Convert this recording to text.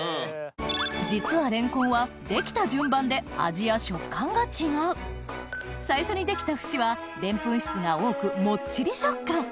実はレンコンは出来た順番で味や食感が違う最初に出来た節はデンプン質が多くもっちり食感！